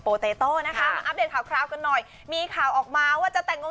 เตโต้นะคะมาอัปเดตข่าวคราวกันหน่อยมีข่าวออกมาว่าจะแต่งง